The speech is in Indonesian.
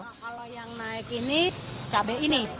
nah kalau yang naik ini cabai ini